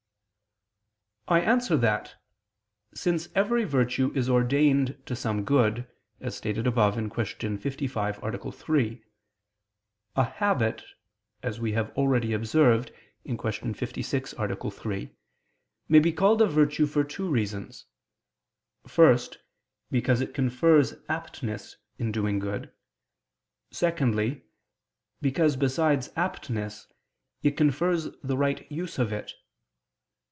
I answer that, Since every virtue is ordained to some good, as stated above (Q. 55, A. 3), a habit, as we have already observed (Q. 56, A. 3), may be called a virtue for two reasons: first, because it confers aptness in doing good; secondly, because besides aptness, it confers the right use of it.